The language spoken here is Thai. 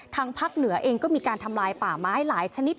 ทางภาคเหนือเองก็มีการทำลายป่าไม้หลายชนิด